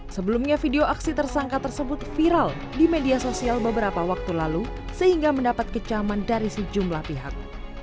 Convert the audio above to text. sebelumnya video aksi tersangka tersebut viral di media sosial beberapa waktu lalu sehingga mendapat kecaman dari sejumlah pihak